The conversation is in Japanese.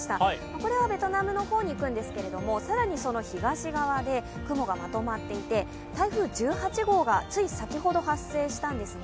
これはベトナムの方に行くんですけれども、更にその東側で雲がまとまっていて台風１８号がつい先ほど発生したんですね。